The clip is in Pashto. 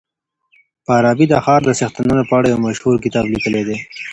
فارابي د ښار د څښتنانو په اړه يو مشهور کتاب ليکلی دی.